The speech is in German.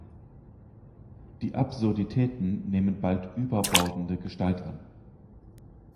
Die Absurditäten nehmen bald überbordende Gestalt an.